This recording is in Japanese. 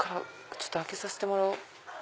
ちょっと開けさせてもらおう。